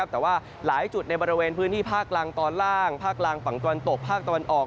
แต่ว่าหลายจุดในบริเวณพื้นที่ภาคล่างตอนล่างภาคกลางฝั่งตะวันตกภาคตะวันออก